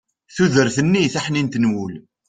tudert-nni taḥnint n wul